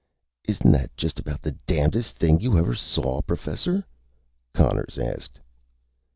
"Isn't that just about the damnedest thing you ever saw, Professor?" Conners asked.